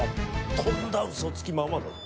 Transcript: とんだ嘘つきママだぞ。